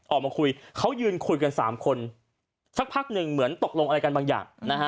ออกมาคุยเขายืนคุยกันสามคนสักพักหนึ่งเหมือนตกลงอะไรกันบางอย่างนะฮะ